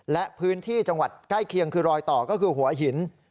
และพื้นที่จังหวัดใกล้เคียงคือรอยต่อก็คือหัวหิน